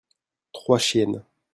trois chiennes.